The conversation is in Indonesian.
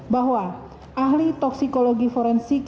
bahwa ahli toksikologi forensik